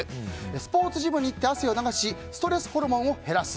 スポーツジムに行って汗を流しストレスホルモンを減らす。